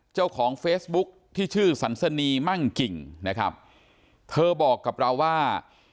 เจ้าของเฟซบุ๊คที่ชื่อสันสนีมั่งกิ่งนะครับเธอบอกกับเราว่า